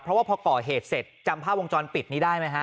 เพราะว่าพอก่อเหตุเสร็จจำภาพวงจรปิดนี้ได้ไหมฮะ